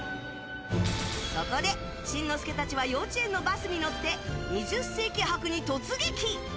そこで、しんのすけたちは幼稚園のバスに乗って「２０世紀博」に突撃！